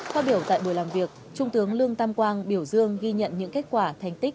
phát biểu tại buổi làm việc trung tướng lương tam quang biểu dương ghi nhận những kết quả thành tích